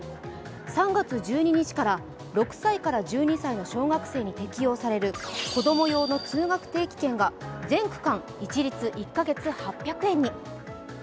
３月１２日から６歳から１２歳の小学生に適用される子ども用の通学定期券が全区間一律１カ月８００円に。